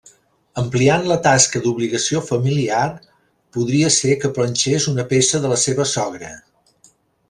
Ampliant la tasca d'obligació familiar, podria ser que planxes una peça de la seva sogra.